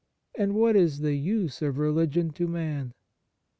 and what is the use of religion to man